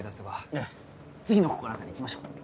ええ次の心当たり行きましょう。